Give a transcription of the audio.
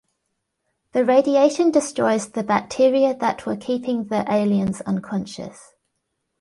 The radiation destroys the bacteria that were keeping the aliens unconscious.